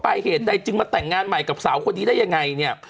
เหตุใดจึงมาแต่งงานใหม่กับสาวคนนี้ได้ยังไงเนี่ย